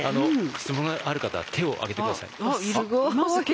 質問のある方手を挙げて下さい。